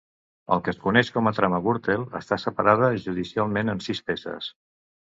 El que es coneix com la ‘trama Gürtel’ està separada judicialment en sis peces.